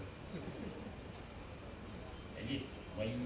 อย่างนี้